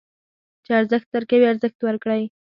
چې ارزښت درکوي، ارزښت ورکړئ.